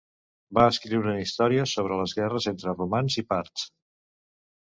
Va escriure una història sobre les guerres entre romans i parts.